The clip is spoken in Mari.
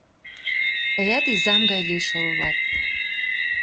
Тыят изам гай лишыл улат.